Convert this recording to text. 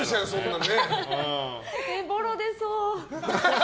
ボロ出そう。